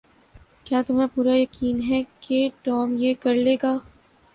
کیا تمہیں پورا یقین ہے کہ ٹام یہ کر لے گا؟